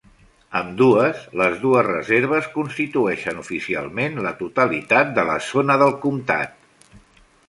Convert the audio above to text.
Ambdues, les dues reserves constitueixen oficialment la totalitat de la zona del comtat.